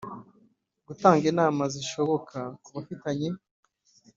Gutanga Inama zishoboka kubafitanye